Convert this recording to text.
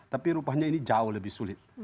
tapi rupanya ini jauh lebih sulit